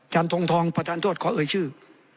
จันทรงทองประธานทรวจขอเอ่ยชื่อ